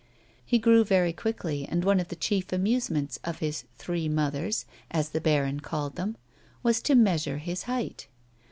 He grew very quickly, and one of the chief amusements of his "three mothers," as the baron called them, was to measure his height.